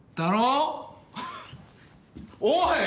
おい！